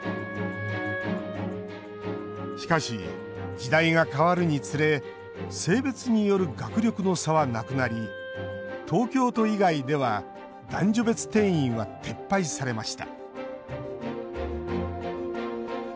しかし、時代が変わるにつれ性別による学力の差はなくなり東京都以外では男女別定員は撤廃されました。